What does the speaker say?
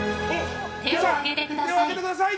手を上げてください。